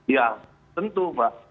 ya tentu mbak